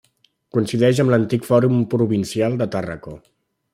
Coincideix amb l'antic Fòrum Provincial de Tàrraco.